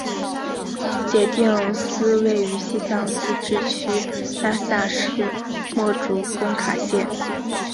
杰定寺位于西藏自治区拉萨市墨竹工卡县。